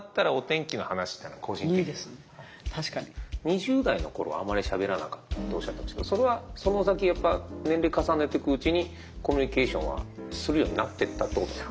２０代の頃はあまりしゃべらなかったとおっしゃってましたけどそれはその先やっぱ年齢重ねてくうちにコミュニケーションはするようになってったってことですか？